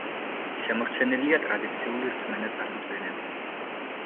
შემორჩენილია ტრადიციული რწმენა-წარმოდგენები.